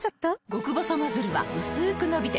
極細ノズルはうすく伸びて